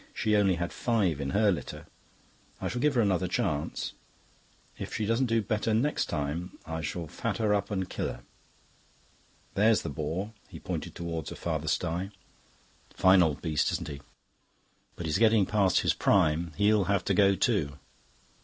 She only had five in her litter. I shall give her another chance. If she does no better next time, I shall fat her up and kill her. There's the boar," he pointed towards a farther sty. "Fine old beast, isn't he? But he's getting past his prime. He'll have to go too."